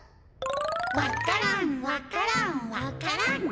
「わか蘭わか蘭わか蘭」